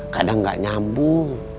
kadang enggak nyambung